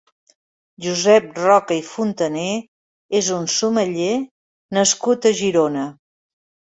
Josep Roca i Fontané és un sommelier nascut a Girona.